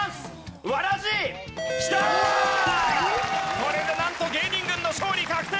これでなんと芸人軍の勝利確定！